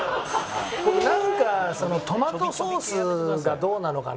なんかそのトマトソースがどうなのかな。